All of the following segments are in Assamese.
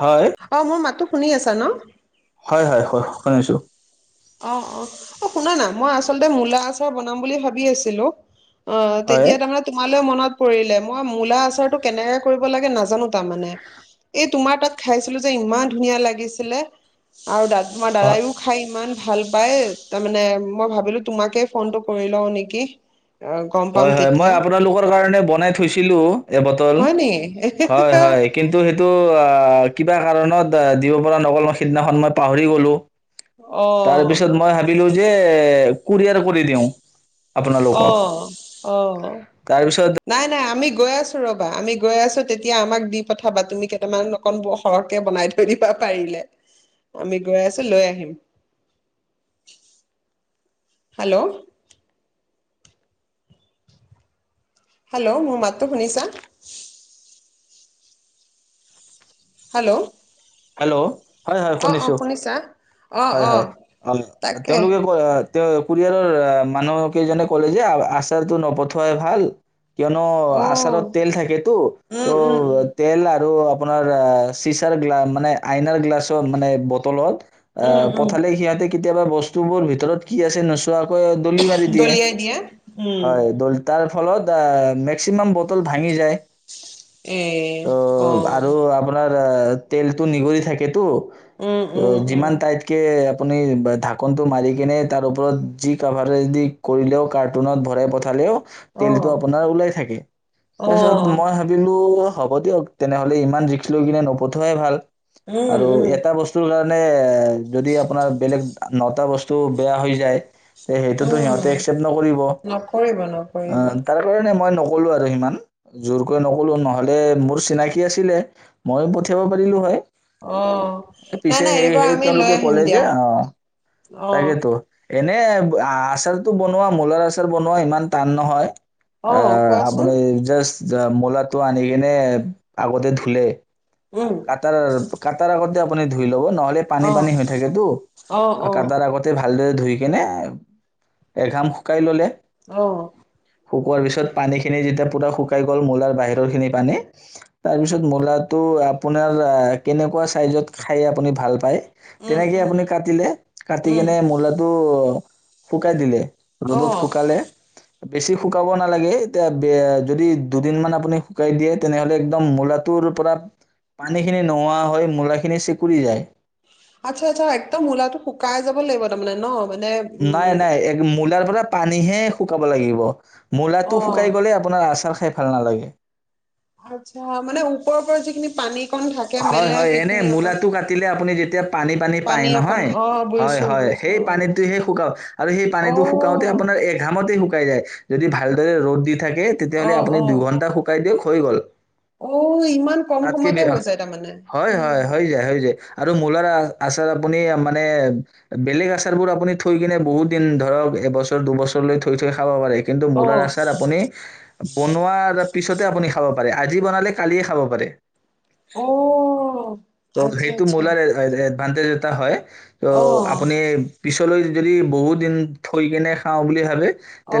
হয়, অ', মোৰ মাতো শুনি আছা ন'? হয়, হয়, হয়। শুনিছো। অ', অ', অ', শুনা না মই আচলতে মূলা আচাৰ বনাম বুলি ভাবি আছিলো। অ', হয়। তেতিয়া তাৰমানে তোমালৈ মনত পৰিলে মই মূলা আচাৰটো কেনেকে কৰিব লাগে নাজানো তাৰ মানে এই তোমাৰ তাত খাইছিলো যে ইমান ধুনীয়া লাগিছিলে আৰু দ তোমাৰ অ'। দাদায়ো খাই ইমান ভাল পাই, তাৰমানে মই ভাবিলো তোমাকে ফোনটো কৰি লওঁ নেকি। অ গম পাম হয়, হয় মই তেতিয়া আপোনালোকৰ কাৰণে বনাই থৈছিলো। এ বটল হয় নেকি হয়, হয় কিন্তু সেইটো অ'। কিবা কাৰণত দিব পৰা নগল মই সিদিনাখন মই পাহৰি গলোঁ। অ তাৰ পিছত মই ভাবিলোঁ যে কুৰিয়াৰ কৰি দিওঁ। আপোনালোকক। অ', অ', তাৰপিছত নাই, নাই আমি গৈ আছো ৰ'বা আমি গৈ আছো তেতিয়া আমাক দি পঠাবা। তুমি কেইটামান অকনবোৰ সৰহকে বনাই থৈ দিবা পাৰিলে আমি গৈ আছো লৈ আহিম। হেল্ল'? হেল্ল' মোৰ মাতো শুনিছা হেল্ল'। হেল্ল' হয়, হয় অ অ শুনিছো শুনিছা অ হয়, অ হয় তাকে তেওঁলোকে ক কুৰিয়াৰৰ মানুহ কেইজনে কলে যে, আছোৰটো নপঠুৱাই ভাল। কিয়নো অ আচাৰত তেল থাকেতো উম উম ত' তেল আৰু আপোনাৰ আ চিছাৰ গ্লা নাই আইনাৰ গ্লাছত মানে বটলত উম উম অ', উম পঠালে সিহঁতে কেতিয়াবা বস্তুবোৰ ভিতৰত কি আছে নোচোৱাকৈয়ে দলি মাৰ দিয়ে, দলিয়াই উম হয় দল তাৰ ফলত মেক্সিমাম বটল ভাঙি যায়। এ অ অ', আৰু আপোনাৰ অ তেল টো নিগৰি থাকেতো উম অ উম উম যিমান টাইতকে আপুনি ঢাকনটো মাৰিকনে তাৰ ওপৰত যি কাভাৰেজ দি কৰিলেও কাৰ্টুনত ভৰাই পঠালেও অ তেলতটো আপোনাৰ ওলাই থাকে অ তাৰপিছত মই ভাবিলো হ'ব দিয়ক তেনেহলে ইমান ৰিক্ক লৈ কিনে নপঠুৱাই ভাল উম আৰু উম এটা বস্তু মানে এ যদি আপোনাৰ বেলেগ নটা বস্তু বেয়া হৈ যায় তে সেইটোতো সিহঁতে উম একচেপ্ট নকৰিব নকৰিব নকৰিব তাৰ কাৰণে মই ন কলো আৰু সিমান জোৰকৈ নকল'লো নহ'লে মোৰ চিনাকি আছিলে ময়ো পঠিয়াব পাৰিলো হয়। অহ পিছে নাই নাই সেই এইবাৰ সেই আমি লৈ তেওঁলোকে আহিম ক'লে যে দিয়া অ অহ তাকেতো এনে আচাৰতটো বনোৱা মূলৰ আচাৰ বনোৱা ইমান টান নহয় অ', অহ কোৱাচোন। আপুনি জাচ্ যোৱা মলাটো আনি কেনে আগতে ধুলে উম তাতে আপুনি ধূই ল'ব ন নহলে পানী অ', পানী হৈ থাকেতো অ', অ', কাটা আগতে ভালদৰে ধুই কেনে এঘাম শুকাই ল'লে অহ শুকোৱাৰ পিছত পানীখিনি যেতিয়া পুৰা শুকাই গ'ল মূলাৰ বাহিৰৰ খিনি পানী তাৰ পিছত মূলাটো আপোনাৰ আহ কেনেকুৱা ছাইজত খায় আপুনি ভাল পায়। উম, তেনেকে উম, আপুনি কাটিলে কাটি উম, কেনে মূলাটো শুকাই দিলে ৰ'দত অ', শুকালে বেছি শুকাব নালাগে এতিয়া যদি দুদিন মান আপুনি শুকাই দিয়ে তেনেহলে একদম মূলাটোৰ পৰা পানীখিনি নোহোৱা হৈ মূলাখিনি চেকুৰি যায় আচ্ছা আচ্ছা একদম মূলাটো শুকাই যাব লাগিব তাৰমানে ন মানে নাই উম, নাই এক মুলাৰ মানে পানীহে শুকাব লাগিব মূলাটো শুকাই অ'। গ'লে আপোনাৰ আচাৰ খাই ভাল নালাগে আচ্ছা মানে ওপৰৰ পৰা যিখিনি পানী কণ থাকে হয় মেলে হয় এনে সেইখিনি অকণ মূলাটো কাটিলে আপুনি যেতিয়া পানী পানী পায় অকণ নহয় অ', হয় বুজিছো হয় বুজিছো সেই পানীটোহে শুকাও আৰু সেই পানীটো শুকাওতে অ', আপোনাৰ এঘামতে শুকা শুকাই যায় যদি ভালদৰে ৰ'দ দি থাকে তেতিয়াহ'লে অ', আপুনি অ', অ'। দুঘণ্টা শুকাই দিয়ক হৈ গ'ল অ ইমান কম তাতকে সময়তে বে হৈ যায়। তাৰমানে হয় উম, হয় হৈ যায় হৈ যায়। আৰু মূলাৰ আ আচাৰ আপুনি মানে বেলেগ আচাৰ বোৰ আপুনি থৈ কিনে বহুত দিন ধৰক এবছৰ দুবছৰ লৈ থৈ থৈ খাব পাৰে। কিন্তু মূলাৰ অ'। আচাৰ আপুনি। বনোৱাৰ পিছতে আপুনি খাব পাৰে আজি বনালে কালিয়ে খাব পাৰে অ', ত আচ্ছা, সেইটো আচ্ছা। মূলাৰ বান্ধে যতা হয় ত অ', আপুনি পিছত। লৈ যদি বহুত দিন থৈ কেনে খাওঁ বুলি ভাবে।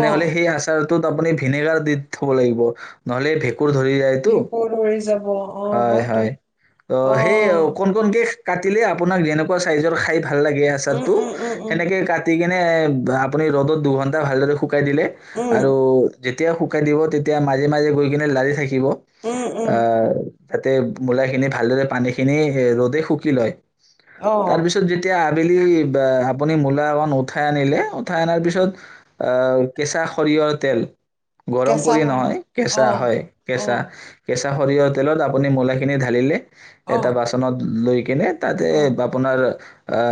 অ', সেই আচাৰ। তাত আপুনি ভিনেগাৰ দি থব লাগিব নহলে ভেঁকুৰ ধৰি যায়তো ভেঁকুৰ ধৰি যাব অ হয়তো। অ সেই অ', কোন কে কি কাটিলে আপোনাক যেনেকুৱা চাইজৰ খাই। ভাল লাগে আচাৰ উম, টো উম, উম, উম, সেনেকে কাটি। মানে আপুনি' ৰ'দত দুঘণ্টা ভালদৰে শুকুৱাই শুকাই দিলে উম, আৰু যেতিয়া শুকাই দিব তেতিয়া মাজে মাজে গৈ কিনে লাৰি থাকি থাকিব। উম, উম, তাতে। মূলা খিনি ভালদৰে পানী খিনি এ ৰ'দে শুকি লয়। অ', তাৰপিছত যেতিয়া। আবেলি আপুনি মূলা অকন উঠাই আনিলে উঠাই অনাৰ পিছত আহ কেঁচা সৰিয়ৰ তেল গৰম কেঁচা কৰি সৰিয়হ নহয় কেঁচা অ', হয় কেঁচা অ', কেঁচা। টা সৰিয়হ তেলত আপোনি মলাই কিনে ঢালিলে এটা অ', বাচনত লৈ কেনে তাতে অ', আপোনাৰ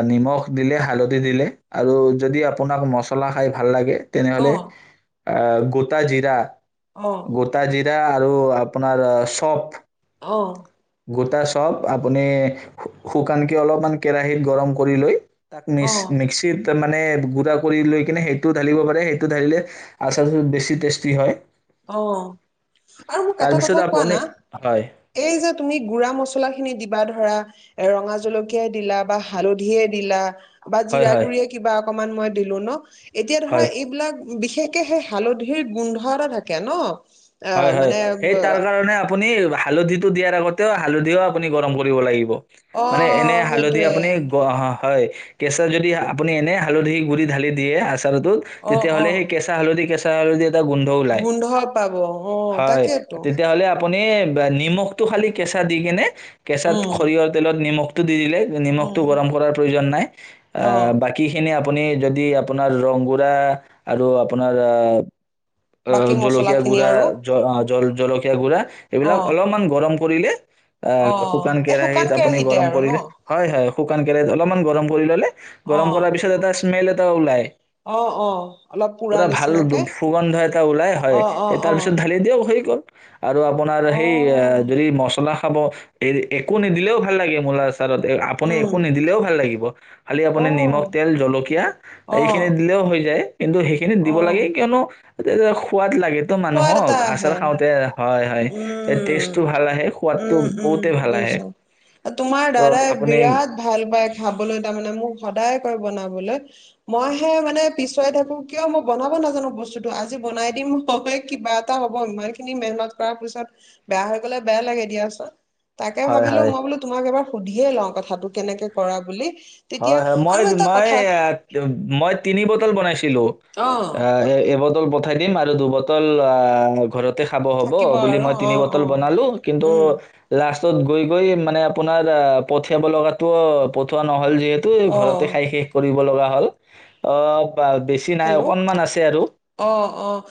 নিমখ দিলে হালধি দিলে আৰু যদি আপোনাক মছলা খাই ভাল লাগে। অ', তেনেহলে আহ গোটা জিৰা অ', গোতা জিৰা এতিয়া আৰু আপোনাৰ চপ অ' গোটা চব আপুনি শুকানকে অলপমান কেৰাহীত গৰম কৰি লৈ তাক মিক অ', মিক্সিত। মানে গুড়া কৰি লৈ কিনে সেইটো ঢালিব পাৰে সেইটো ঢালিলে আচাৰটোৰ বেছি টেষ্টি হয় আহ আৰু মোক এটা তাৰপিছত কথা কোৱা আপুনি না হয় এই যে তুমি গুড়া মচলা খিনি দিবা ধৰা ৰঙা জলকীয়াই দিলা বা হালধিয়ে দিলা। বা হয় জিৰা হয় গুৰিয়ে কিবা অকমান মই দিলো ন এতিয়া ধৰা হয় এইবিলাক। বিশেষকে সেই হালধিৰ গোন্ধ এটা থাকে। থাকে ন। হয় হয় সেই তাৰ কাৰণে আপুনি হালধিটো দিয়াৰ আগতেও হালধিও আপুনি গৰম কৰিব লাগিব। অ মানে এনে হালধি সেইটোৱে আপুনি অ হয় কেঁচা যদি আপুনি এনে হালধি গুৰি ঢালি দিয়ে আছে। ত অ অ তেতিয়াহ'লে সেই কেঁচা হালধি কেঁচা ত আৰু গোন্ধ পাব। অ হয় তাকেইতো তেতিয়াহ'লে আপুনি নিমখ টো খালি কেঁচা দি কেনে কেঁচাত উম সৰিয়হৰ তেলত নিমখ দি দিলে। উম নিমখতটো গৰম কৰাৰ প্ৰয়োজন নাই অ আহ বাকী খিনি আপোনাৰ। আপুনি যদি আপোনাৰ ৰংগোৰা আৰু আপোনাৰ আহ অ বাকী মছলা জলকীয়া খিনি গুড়া। আৰু জ অ জল জলক জলকীয়া গুৰা অ এইবিলাক অলপমান গৰম। কৰিলে। অ আহ শুকান এই কেৰাহিত আপুনি কেৰাহীতে গৰম আৰু ন কৰিলে হয় হয়। শুকান কেৰাহিত অলপমান গৰম কৰি ল'লে অ গৰম কৰাৰ পিছত এটা স্মেল তে ওলাই। অ', অ', অলপ পুৰা ভাল নিচিনাকে দু- সুগন্ধ অ', অ', অ', [unintelligible] হেৰি কৰ‌ আৰু আপোনাৰ সেই অ', যদি মচলা খাব। এ-একো নিদিলেও ভাল লাগে। মূলা আছ [unintelligible] আপুনি একো উম, নিদিলেও ভাল লাগিব খালি আপুনি নিমখ, অ', তেল, জলকীয়া এইখিনি অ', দিলেও হৈ যায়। কিন্তু সেইখিনিত দিব অ', লাগে, কিয়নো সোৱাদ লাগে একদম সোৱাদ নহ'ক। এটা আহে, আচল খাওঁতে হয় হয় উম, টেষ্টটো ভাল আহে সোৱাদটো উম, উম। বহুতে ভাল আহে বুজিছোঁ। তোমাৰ ত' দাদাই আপুনি বিৰাট ভাল পায় খাবলৈ, তাৰমানে। মোক সদায় কৈ বনাবলৈ। মইহে, মানে, পিছুৱাই থাকোঁ, কিয় মই বনাব নাজানো। বস্তুটোতো আজি বনাই দিম। [unintelligible] কিবা এটা হ'ব। ইমানখিনি মেহনত কৰাৰ পিছত বেয়া হৈ গ'লে বেয়া লাগে দিয়া চোন তাকেই হয় ভাবিলোঁ হয় মই। বোলো, তোমাক এবাৰ সুধিয়ে লওঁ। কথাটো কেনেকৈ কৰা বুলি তেতিয়া হয়, হয়। মই, আৰু এটা মই, কথা মই তিনি বটল বনাইছিলোঁ অ আ, এই, এ দুবটল পঠাই দিম, আৰু দুবটল, আ, ঘৰত তে খাব হ'ব থাকিব বুলি আৰু মই অ তিনি অ বটল বনালোঁ। কিন্তু উম লাষ্ট গৈ, গৈ মানে আপোনাৰ আ, পাঠিযাব লগাটো পঠোৱা হ'ল যিহেতু অ ঘৰতে খাই শেষ কৰি লগা হ'ল অ' বা বেছি নাই, হেল্ল' অকনমান আছে আৰু অ', অ',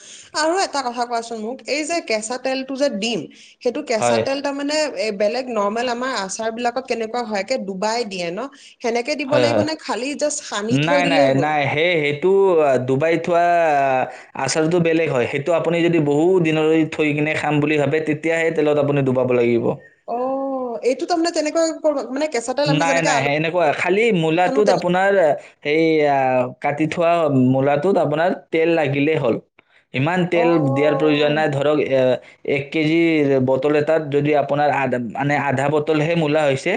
আৰু এটা কথা কোৱাচোন মোক এই যে, কেঁচা তেলটো যে, দিম সেইটো কেঁচা হয় তেল তাৰ মানে এ, বেলেগ নৰৰ্মেল আমাৰ আছ তাৰ বিলাকত কেনেকুৱা হয়, একে ডুবাই দিয়ে ন সেনেকে দিব হয়, লাগিব হয় নে খালি জাষ্ট সানি থৈ নাই, নাই, দিলেই হ'ল নাই হেই-হেইটো ডুবাই থোৱা আচাৰটো বেলেগ হয়, সেইটো আপুনি যদি বহুত দিনৰে থৈ কিনে খাম বুলি ভাবে তেতিয়াহে তেলত আপুনি ডুবাব লাগিব। অ', এইটো তামানে তেনেকুৱা কৰ-মানে নাই, নাই এনেকুৱা খালি সানো মূলাটোত তেনে আপোনাৰ সেইয়া কাটি থোৱা মূলাটোত আপোনাৰ তেল লাগিলেই হ'ল। ইমান অ তেল দিয়াৰ প্ৰয়োজন নাই ধৰক এ এককেজি বটল এটাত যদি আপোনাৰ আধ মানে আধা বটলহে মূলা হৈছে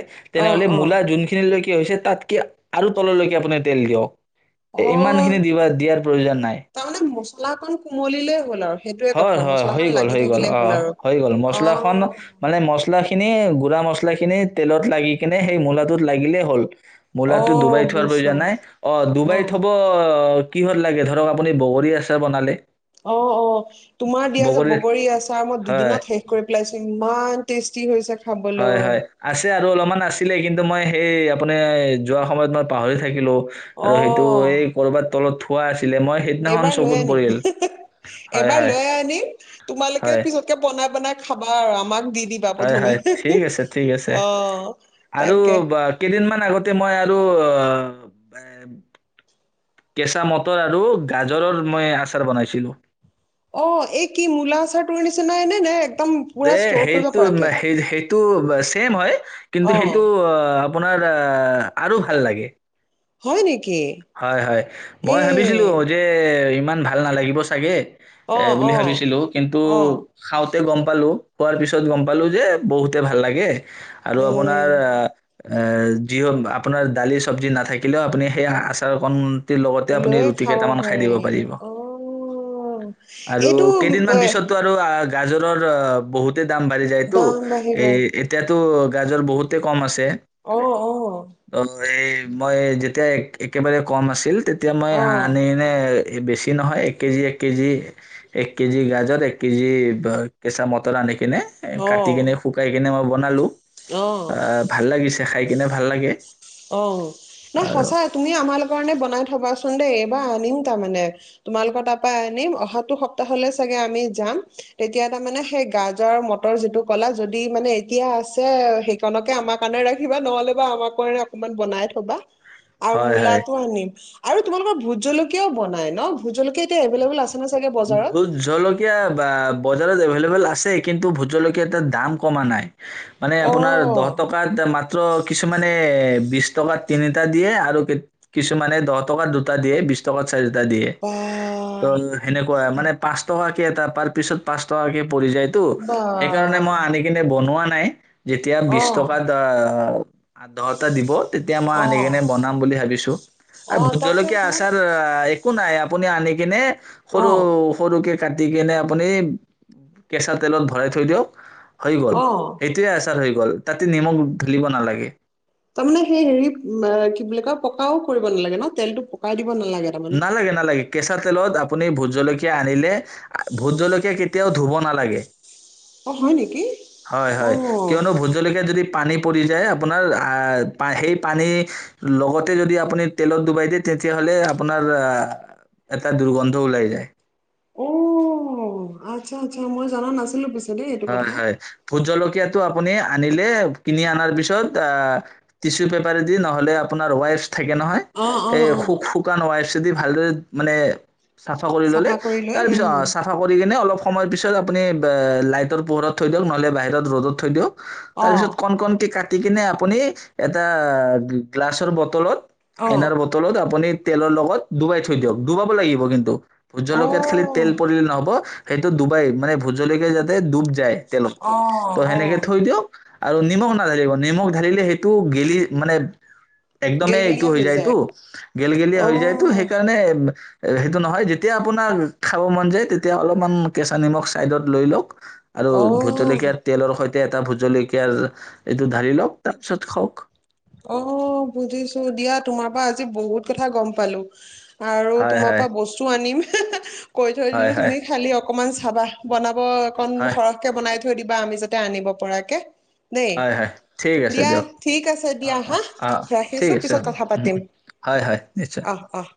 অ তেনেহ'লে মূলা অ যোনখিনিলৈকে কি হৈছে তাত কি আৰু তললৈকে আপুনি তেল দিয়ক অ ইমানখিনি দিয়াৰ প্ৰয়োজন নাই কলা কলা কুমলীলে হ'ল আৰু সেইটোয়ে হয় কথা হয় হৈ মছলাখন গ'ল লাগি হৈ গ'ল থাকিলেই অ হ'ল আৰু। হৈ গ'ল মছলাখনন অ', মানে মছলা খিনি গুড়া মছলাখিনি তেলত লাগি কিনে সেই মূলাটোত লাগিলেই হ'ল মোলা তো দুুবাই অ', থোৱাৰ বুজিছো প্ৰয়োজন নাই অ দুুবাইত থব অ কিহত লাগে ধৰক আপুনি বগৰী আছে বনালে অ অ তোমাৰ দিয়া যে বগৰীৰ বগৰী আচাৰ মই হয়, দুদিনত শেষ কৰি পেলাইছো ইমান টেষ্টি হৈছে হয় খাবলৈ। হয় আছে আৰু অলপমান আছিলে কিন্তু কিন্তু মই সেই আপুনি যোৱা সময়ত মই পাহৰি থাকিলো আৰু সেইটো এই কৰবাত তলত থ খোৱা এবাৰ লৈ আনিম হয়, এবাৰ হয়, লৈ আনিম তোমালোকে হয়, পিছতকে বনাই বনাই খাবা আৰু আমাক দি দিবা হয় প্ৰথমে। হয় ঠিক আছে ঠিক আছে অ', আৰু তাকে কেইদিনমান আগতে মই আৰু কেঁচা মটৰ আৰু গাজৰৰ মই আচাৰ বনাইছিলোঁ অ এই কি মূলা আচাৰ টো আনিছে নাই নে নাই দেই সেইটো ন সেই সেই টো চেম হয় কিন্তু সেইটো অ আপোনাৰ আহ আৰু ভাল লাগে হয় নেকি হয় হয় এ মই ভাবিছিলো যে ই ভাল নালাগিব চাগে অ এ বুলি অ ভাবিছিলো কিন্তু অ গম পালো কোৱাৰ পিছত গম পালো যে বহুতে ভাল লাগে আৰু এ আপোনাৰ আহ আহ যি হ আপোনাৰ দালি চবজি নাথাকিলেও আপুনি সেইয়া আ তৰ খন লৈয়ে খাব পাৰি আহ আৰু এইটো কেইদিনমান পিছততো আৰু আহ, গাজৰৰ বহুত দাম বাঢ়ি যায়তো দাম বাঢ়িব এ অ এতিয়াতো গাজৰ বহুতে কম আছে অ ত এই মই যে এক একেবাৰে কম আছিল এতিয়া মই অ আন এনে এই বেছি নহয় এক কেজি এক কেজি এক কেজি গাজত এক কেজি বা কেঁচা মটৰ আনি কেনে অ কাটি কেনে শুকাই কেনে বনালোঁ অ অঁ ভাল লাগিছে খাই কিনে ভাল লাগে অঁ নাই আৰু সঁচাই তুমি আমাৰ লগত কাৰণে বনাই থবাচোন দেই এই বাাৰ আনিম তাৰ মানে তোমালোকৰ তাৰ পৰা আনিম অহাটো সপ্তাহলে চাগে আমি যাম তেতিয়া তাৰমানে সেই গাজৰ মটৰ যিটো ক'লা যদি মানে এতিয়া আছে সেইখনকে আমাৰ কাৰণে ৰাখিবা নহলে বা আমাৰ কাৰ অকমান বনাই থবা আৰু হয় হয় মুলাতো আনিম আৰু তোমালোকৰ ভোট জলকীয়াও বনাই ন ভোট জলকীয়া এতিয়া এভেইলেবল আছে ন চাগে বজাৰত ভোট জলকীয়া বা ব বজাৰত এভেইলেবল আছে কিন্তু ভোট জলকীয়া এ তাত দাম কমা নাই মানে অ আপোনাৰ দহ টকাত এ মাত কিয় কিছুমানে বিশ টকা তিনিটা দিয়ে আৰু কিছুমানে দহ টকা দুটা দিয়ে বিশ টকা দিয়ে বা ত সেনেকুৱা মানে পাঁচ টাকে এটা তাৰ পিছত পাঁচ টকাকে গেলি যায় বা সেইকাৰণে মই আনি কিনে বনোৱা নাই যেতিয়া অ বিশ টকাত দহটা দিব তেতিয়া মই অ আনি কেনে বনাম বুলি ভাবিছো আৰু অ ভোট জলকীয়া তাকেতো আচাৰ একো নাই আপুনি আনি কিনে অ সৰু সৰুক কাটি কেনে আপুনি কেঁচা তেলত ভৰাই থৈ দিয়ক হৈ গ'ল অ সেইটোৱে আচাৰ হৈ গ'ল গল তাতে নিমখ ঢালিব নালাগে তাৰ মানে সেই হেৰি কি বুলি কয় পকাও কৰিব নালাগে ন তেলটো পকাই দি নালাগে নালাগে কেছ কেঁচা তেলত আপুনি ভোট জলকীয়া আনিলে ভোত জলকীয়া কেতিয়াও ধুব নালাগে। অ' হয় নেকি? হয় হয় কিয়নো অ' ভোট জলকীয়াত যদি পানী পৰিযাই আপোনাৰ অ‌ সেই পানীৰ লগতে যদি আপোনি তেলত ডুবাই তেতিয়া হ'লে আপোনাৰ আহ এটা দুৰ্গন্ধ ওলাই যায় অ আচ্ছা আচ্ছা মই জনা নাছিলো পিছ হয় হয় বহুত জলকীয়াত ত আপুনি আনিলে কিনি আনাৰ পিছত আ টিচূপেপাৰে দি নহ'লে আপোনাৰ ৱাইপছ থাকে নহয় অ' হে অ' অ' শুক শুকান ৱাইপ দি ভালদৰে মানে চাফা কৰি ললে কৰি লৈ উম তাৰপিছত চাফা কৰি কিনে অলপ সময়ৰ পিছত আপুনি লাইভ পোহৰত থৈ দিয়ক নহলে বাহিৰত ৰ'দত থৈ দিয়ক তাৰ পিছত অ' কন কন কে কাট কাটি কিনে আপুনি এটা গ্লাছৰ বটলত অ' আইনাৰ বতলত আপনি তেলৰ লগত ডুবাই থৈ দিয়ক ডুবাব লাগিব কিন্তু ভোট জলকীয়াত খালি তেল অ' পৰিলে নহব সেইটো ডুবাই মানে ভোট জলকীয়া যাতে ডুব য যাই তেলত ত' অ' সেনেকে অ' থৈ দিয়ক আৰু নিমখ নাঢালিব নিমখ ঢালিলে সেইটো গেলি মানে একদমেই এইটো গেলগেলীয়া হৈ যায়তো যায়। গেল গেলিয় হৈ যায়তো অ' সেইকাৰণে সেইটো নহয় যেতিয়া আপোনাৰ খাব মন যায় তেতিয়া অলপমান কেঁচা নিমখ ছাইডত লৈ লওক আৰু ভোট অ' জলকীয়াৰ তেলৰ সৈ এ এটা ভোট জলকীয়াৰ এইটো ঢালি লওক তাৰপিছত খাওক। অ বুজিছো দিয়া তোমাৰ পৰা আজি বহুত কথা গম পালো আৰু হয় তোমাৰ হয় পৰা বস্তু আনিম হে হে কৈ থৈ হয় দিলোঁ হয় তুমি খালি অ অকণমান চাবা বনাব ব অকন হয় সৰহকে বনাই থৈ দিবা আমি যাতে আনিব পৰাকে দেই হয় হয় ঠিক আছে দিয়া দিয়ক ঠিক আছে অ দিয়া অ হা অ ঠিক ৰাখিছো আছে পিছত হ'ব কথা উ পাতিম হয় হয় নিশ্চয়। অহ অহ